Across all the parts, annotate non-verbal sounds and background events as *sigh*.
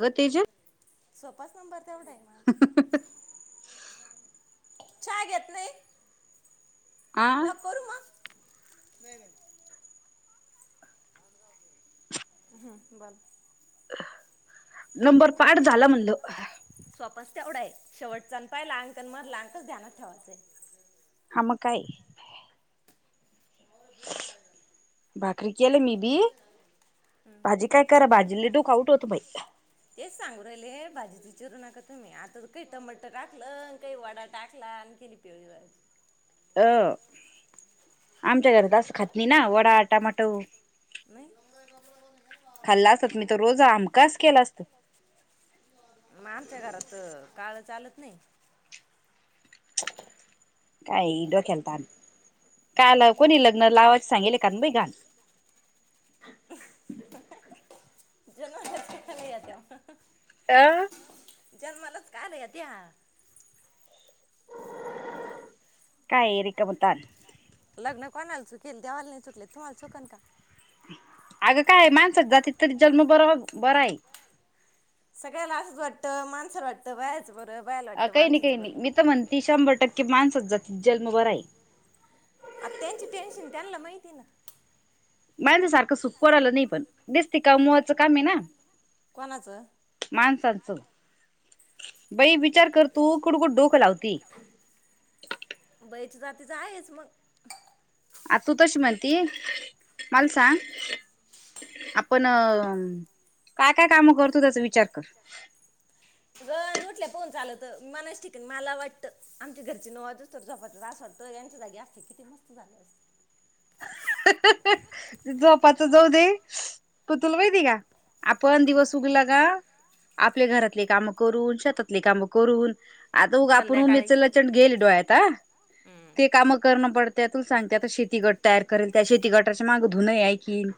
अगं तेजल सोपाच नंबर तेवढ़ा आहे माझा चहा घेत नाही हा नको करू मग नाही नाही हमम बर नंबर पाठ झाला म्हणलं सोपाच तेवढा आहे शेवटचा अन पहिला अन मधला अंकच ध्यानात ठेवाचंय हा मग काय भाकरी कल्या मी बी हम्म भाजी काय करा भाजीला डोक आऊठ होत मा तेच सांगू राहिले हे भाजी च चिरू नका तुम्ही आता काही टमाटर टाकलं काही वडा टाकला *unintelligible* हं आमच्या घरात असं खात नाही ना वडा टमाटव नाही खाल्ला असतात मग मी तर रोज आमकाच केला असत मग आमच्या घरात काळ चालत नाही काय डोक्याला तान. *unintelligible* का बाई घाण जन्मालाच कशाला येत्या म. अ. जन्मालाच काला येत्या. काय रीकम तान. लग्न कोणाला चुकेले देवाला नाही चुकले त तुम्हाला चुकन का? अगं काय मानसाच्या जातीत तरी जन्म बरो बराये. सगळ्याला असंच वाटतं माणस वाटतं बा अ काही नाही काही नाही मी त म्हणती शंभर टक्के माणसच जातीचा जन्म बराय. आ त्यांची टेन्शन त्यांना माहिती ना. माणसा सारखं सुख कोणाला नाही पण, नीस ति कमवायच कामे ना कोणाचं माणसां च बाई विचार कर तू कुड-कुड डोक लावतीय. जातीच आहेच मग. आ तू तशी म्हणती मला सांग? आपण काय काय काम करतो त्याचा विचार कर. गरज उठ पाउन चालत, मनाच्या ठिकाणी मला वाटतं आमच्या घरची नऊ वाजोस्तो झोपात्या अस वाटतं यांच्या जागी अस किती मस्त झालं अस्त. झोपाच जाऊ दे. पण तुला माहिती का? आपण दिवस उगला का? आपल्या घरातले काम करून, शेतातले काम करून आता उगा आपण संध्याकाळी उमेच लाचंड घेऐले डोळ्यात अ हम्म ते कामं करणं पडत त्यातून सांगते, आता शेती गट तयार करेल, त्या शेती गटाच्या माग धुनय आकीन.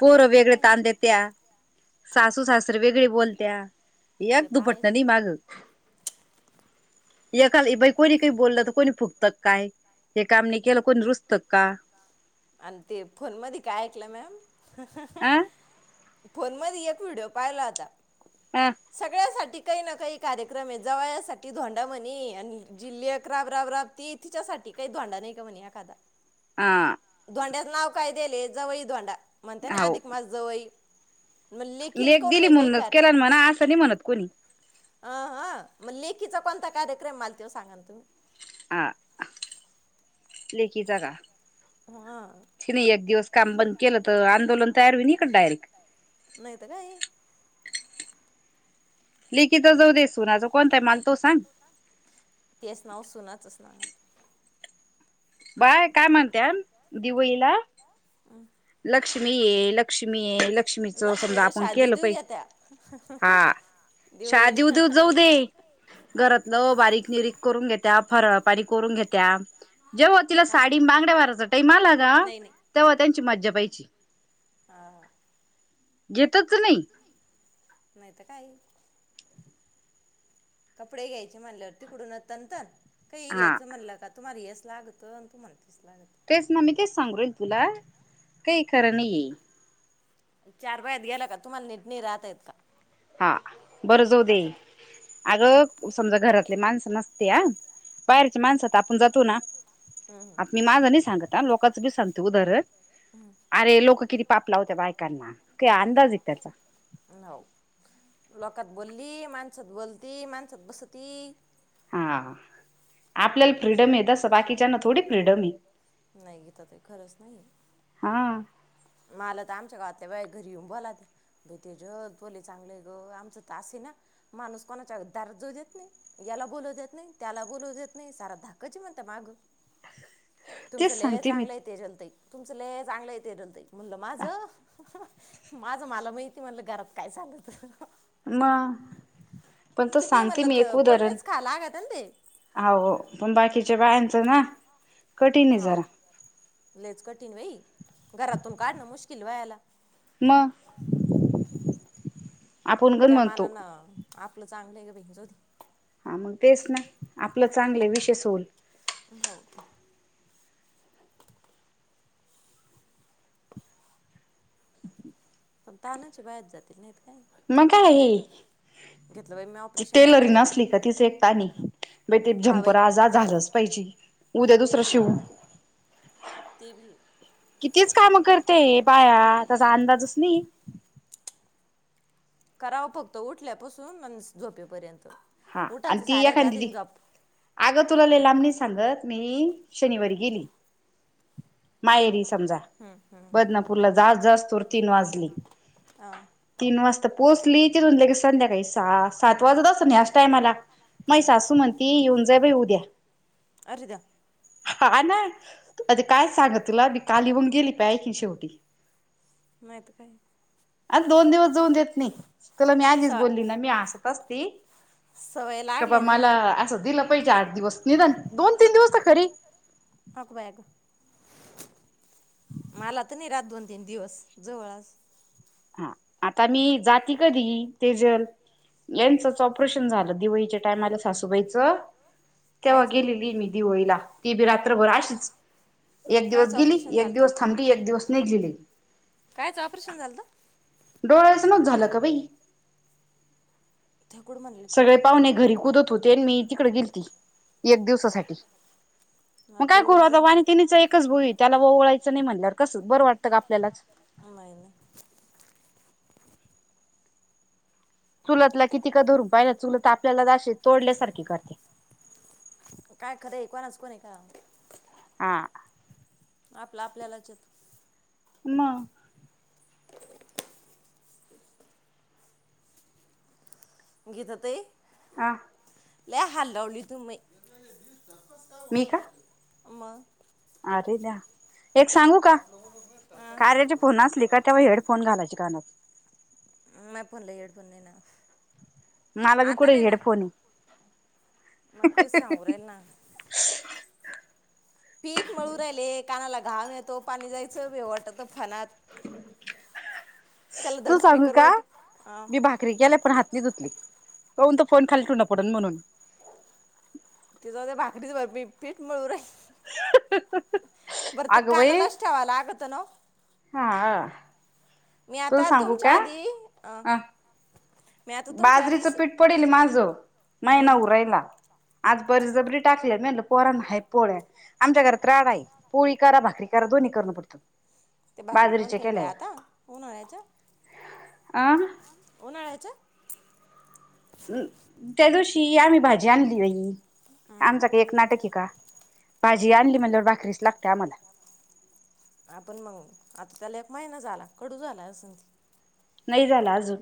पोरं नाही तर वेगळे काय ताणदेत्या सासू सासरे वेगळी बोलत्या. एक ते तर धुपटण आहेच नाही माग. एकाला ये बाई कोणी काही बोललं त कोणी फुगतं का काय? हे काम नई केलं कोणी रुसत का? आणि ते फोन मध्ये काय ऐकलं मॅम अ फोन मध्यी एक व्हिडिओ पाहिला होता, अ सगळ्यासाठी काही ना काही कार्यक्रमे जवयासाठी धोंडा म्हणी, आणि जि लेक राब राब राबती तिच्यासाठी काही धोंडा नाही का म्हणी एखादा. आ. धोंड्याच नाव काय दियेले जवई धोंडा, म्हणता ना अधिक मास जवई. मग लेकील लेक कोण दिली नाही काही म्हणूनच कार केला ना म्हणा असं नाही म्हणत कोणी. अ ह म लेकीचा कोणता कार्यक्रमे, माल तेव सांगान तुम्ही? आ लेकीचा का? हा. तीने एक दिवस काम बंद केलं त, आंदोलन तयार होईन ईकड डायरेक. नाही त काये? लेकीचा जाऊदे सुनाचा कोणताय मल तो सांग? तेच नाव सुनाचंच नाव बाया काय म्हणत्यान दिवळीला लक्ष्मी ये, लक्ष्मी ये, लक लक्ष्मीला शा देऊ देऊ घेत्या. शा देऊ देऊ जाऊ दे घरातलं बारीक निरीक करून घेत त्या फरळ पाणी करून घेत्या. जेव्हा तिला काय साडीन बांगड्या भरायचा टाईम आला का? नाही तेव्हा त्यांची मज्जा पहियची. हा -हा. येतच नाही. नाही तर काय कपडे घ्यायचे म्हणल्यावर तिकडून तनंतन काही हा घ्यायचं म्हणला का? तुम्हा यस लागतं आणि तू म्हणता. तेच ना मी तेच सांगू राईली तुला काही खरं नाही ये. चार बायात गेला का तुम्हाला निट नाही राहता येत का? हा बरं जाऊ दे मात्र अग समजा घरातले माणस नस ते ह बाहेरच्या माणसात आपण जातो ना. आता हम्म मी माझणी सांगत लोकचं बी सांगते उदाहरण अरे लोक किती पाप लावत्या बायकांना काय अंदाज एक त्याचा. हो. लोकात बोलली माणसात बोलती माणसात बसती. हा आपल्याला फ्रीडमे तस बाकीच्या ना थोडी फ्रीडमे नाही गीताताई खरंच नाहीये. हा मला त आमच्या गावातल्या बाया घरी येऊन बोलात्या बाई तेजल त्हा लई चागलय ग आमचं तर असय ना. माणूस कोणाच्या दारात जाऊ देत नाही याला बोलू देत नाही त्याला बोलू देत नाही सारा धाका म्हण माग तेच तुमचं लई सांगते मी चांगलंय तेजलताई तुमचं लई चांगलंय तेजलताई. म्हणलं माझं माझं मला माहते म्हणलं घरात काय चालत. म पण तस किती सांगते म्हणलं मी एक तर उदाहरण. बोलणेच खा लागत ना ते आओ पण बाकीच्या बायांचं ना. कठीण आहे हो जरा लईच कठीण बाई घरातून काढणं मुश्किल बायाला. म. त्या मानान आपलं चांगलंय ग बाई जाउदे. हा मग तेच ना आपलं चांगले विषय सोल. हो. पण तानाचे बाहेचा जातील नाही का? मग काय घेतलं बाई मी ऑपरेशन करून टेलरीन जात असली का तिच एक ताने. बाई ते हा बाई झंपर आज ना झालंच पाहिजे उद्या ते दुसरं बी शिव. ते बी कितीच काम करते बाया त्याचा अंदाजच नाहीये. करावं फक्त उठल्यापसून झोपेपर्यंत. हा आणि उठाचं ती साऱ्याच्या आधी एखाद्दी झोप अगं तुला लई लाबणी सांगत मी शनिवारी गेली माहेरीस. समजा बदनापूरला जावस् जावस् तोर् वाजली. हां तीन वाजता पोहचली तिथून लगेच संध्याकाळी सहा सात वाजत असं ना ह्या अशा टाईमला माही हां सासू म्हणती येऊन जाय बाई उद्या. अरे द्या हा ना, काय सांग तुला मी काली ईउन गेली पाय आखीन शेवटी. नहित काय? अर दोन दिवस जाऊन देत नाही तुला मी स आधीच बोलली ना मी हसत असती. सवय का बा लागल्या ना मला ला असं दिलं पाहिजे आठ दिवस निदान दोन तीन दिवसत अग बया ग. मला तर नाही रात दोन तीन दिवस जवळ आसुन हा आता मी जाती कधी तेजल. यांचच ऑपरेशन झालं दिवाळीच्या टाइमाला सासूबाईच तेव्हा कायच गेलेली मी दिवळीला ती बी रात्रभर अशीच एक दिवस कायचं गेली ऑपरेशन एक झालं दिवस थांबली एक दिवस नाघली लगेच. कायचं ऑपरेशन झालंत. डोळ्याचं नवत झालं का बाई. ठाकूड म्हणले तुम्ही सगळे पाहुणे घरी कुदत होते मी तिकडे गेलती एक हा दिवसासाठी. हा मग काय करू देवळीला आता जा वा आणि तिनीच एकच भाऊये त्याला ओवाळायचं नाही म्हणल्यावर कसं बरं वाटतं का आपल्यालाच नाही नाही. चुलातला किती का धरून पाहि चुलत आपल्या तोडल्यासार कर काय खरं आहे कोणाच कोण आहे का ह आपलं आपल्यालाचत म घीेत ते अ ल हल् लावली तू मही मग अर द एक सांगू का कार्याचे फोन असली का तेव्हा हेडफोन घालायचे कानात ह पण ना मला भी कड हेडफोन मे सावर ना पीठ मळू राहिले कानाला घाऊण येतो पाणी जायचं वाटत फनात धड तू सांगू का स्पीकरवर अ मी भाकरी केले पण हातली तुथली होऊन त फोन खाली ठ न पडल म्हणून तिचा ते भाकरीच भर पीठ मिळू र बरं ते अगं बाई कानालाच ठेवाला अगतं ना हा मी तुला आता सांगू तुमच्या का आधी अ मी आता तुमच्या आधी बाजरीचं स पीठ पडेल माझ मैना अं, उरायला आज बरीच ज बरी टाकली म्ह परण ह पोळ्या आमच्या घरात राडा आहे पोळी का भाकरी का दोन्ही करणं पडत ते बाकरी कोण कोन बयाता अं होन आ्याच्या च अम त्या दिवशी आम्ही भाजी आणली नाही आमचा काही एक नाटक का भाजी आणली म्हणल्यावर भाकरीच लागते आम्हाला आपण मग आता त्याला एक महिना झाला कडू झालाय असं नाही झाला अजून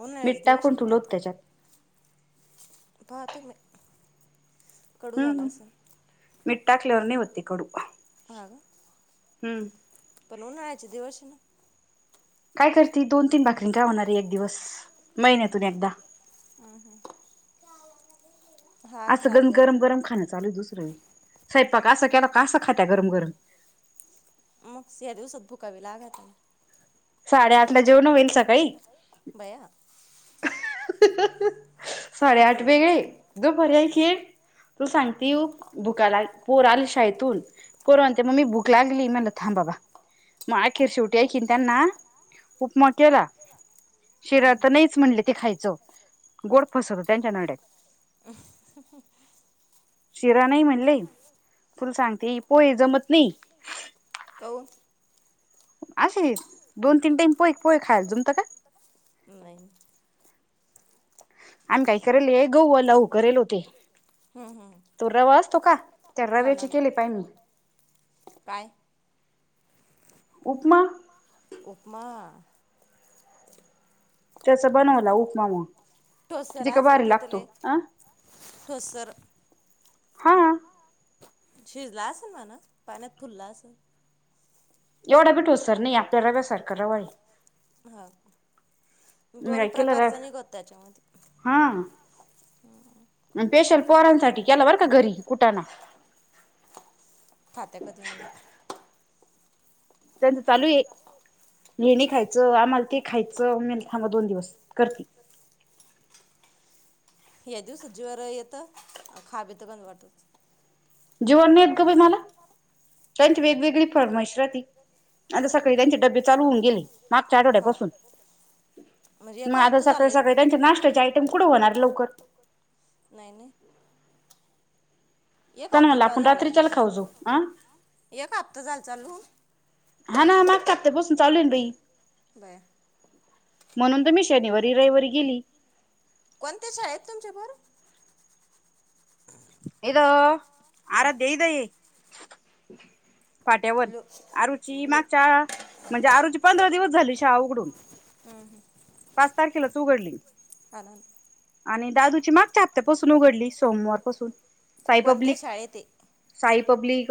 उन्हाळ्याचे मिठ टा दिवस कोून तुल होत त्याच्यात पाह तो मी कडू झाला अस मिठा क्लेवरनेओत्तीिक कोडू हा का हम्म पण हो ना आयचे दिवस ना काय करते दोन तीन भाकरी काय होणारे एक दिवस महिन्यातून एकदा हम्म हम् असं ग गरम गम खां चालू आहे दुसरंेळी स्वैपाक कासं केला कासं खात्या गरम गरम मग सि या दिवसात भुकावी लागा त साडे आठ ला जेवण होईल सकाळी बया साडे मी अठ तर बजे गय उधो परर्या खीळ तू सांगते भुकाला पोर आल शाळेतून पोरनते मगी भूक लागली मला थां बाबा मग अखेर शेवटी ऐिन त्यांना उपमा केला शिरा तर नाहीच म्हणले ते खायचं गोड फसवत त्यांच्या नड्यात शिरा नाही म्हणले तुल सांगते पोहे जमत नाही हो असे दोन तीन टाईम पोहे पोहे खायला जमत का नाही आम्ही काही करेल आहे गऊ लह करेल होते हम्म, हम्म. तो रवा असतो का त्या हो रव्याची ना ना. केली पाहि मी काय उपमा उपमा त्याचा बनवला उपमा मग कितीे ग भारी लागतो अं फसर हा शिजला असेल म्हणा पाण्यात फुलला असेल एवढा बि ठोसर नाही आपल्या रव्यासारखा रवा आहे हा मी दोन काय केलं र प्रकारच निघत त्याच्यामध्ये पेशल पोरांसाठी केला बर का घरी कुठाना खात्यात कधी मध्ये त्यांचं चालू आहे हे नाय खायचं आम्हाला ते खायचं म दोन दिवस करती *unintelligible* या दिवसात जीवा वर येतं खावेत बन जीवावर नाही येत ग मला त्यांची वेगवेगळी फर्माईश आता सकाळी त्यांचे डबे चालू होऊन गेले मागच्या हो आठवड्यापासून म्हणजे एक मग आता हफ्ता सकाळी झालय सकाळी त्यांचे नाश्त्याचे आयटम कुठे होणार लवकर नाही नाही एक त्यांना म्हणलं हप्ताचा आपण झाला चल रात्रीच्याला खाऊ जाऊ आ एक हप्ता झाल चालू हा ना मागच्या हप्त्या बसून चालू आहे ना बई बया म्हणून तर मी शनिवारी रविवारी गेली कोणत्या शाळेत तुमच्या बरं येथ आराध्य्या इथं ये फाट्यावरन लो आरुची लो मागच्या म्हणजे आरूची पंधरा दिवस झाली शाळा उघडून पाच तारखेलाच उघडली आनंद आणि दादूची मागच्या हफ्त्यापासून उघडली सोमवार साई कोणत्या पब्लिक शाळेत आहे साई पब्लिक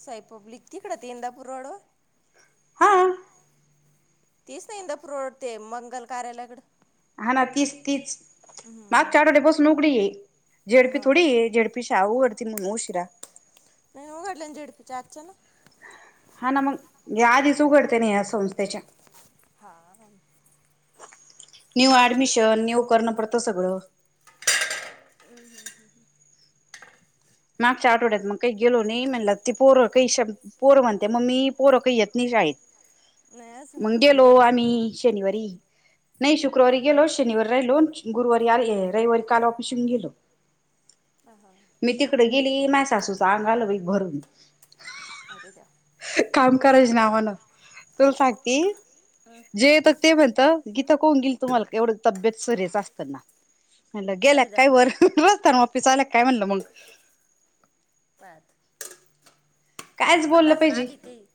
साई पब्लिक तिकड ते इंदापूर रोडवर हा तीच इंदापूर रोड ते मंगल कार्यालयाकडं हा ना तीच तीच मागच्या आठवड्या पासून उघडी ये हां झेडपी थोडी हां आहे झेडपी शाळा उघडते ति मग ऊशिरा नाही ओ उघडल्या झेडपी च्या अचानक हा ना मग या आधीच उघडते ना या संस्थेच्या ह न्यू ऍडमिशन न्यू करणं पडत सगळं मागच्या आठवड्यात मग काही गेलो नाही म्हणला ती पोर काही पोरं म्हणते मम्मी पोरं काही येत नाय शाळेत. नाही मग असं गेलो येत बी नाही आम्ही शनिवारी नाही शुक्रवारी गेलो शनिवारी राहिलो गुरुवारी रविवारी काल ऑफिस हुन गेलो हां हां मी तिकडे गेली माझ्या सासूच आंग आल बाई भरून अरे देवा काम काय करायच्या नावानं करायच तुला सांगते आम्हाला जे येतात ते म्हणत गीता कोऊन गेली तुम्हाला एवढं घरीच असता मला वाटलं गेल्या अरे की काय देवा वर काय म्हणलं मग बर कायच बोललं पाहिजे काही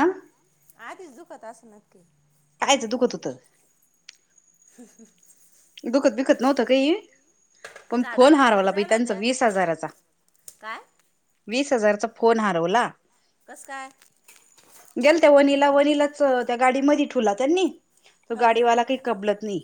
अं आधीच दुखत असंणार की पायच दुखत होत ह दुखत बिखत नव्हतं काही पण फोन झाडाला तर बरं हारवला बाई जायला त्यांचा होत्या वीस हजाराचा काय? वीस हजारचा फोन हारवला. कसं काय? वनीलाच त्या गाडी मध्ये ठेवला त्यांनी तो हां हां गाडीवाला काही कपलत नाही.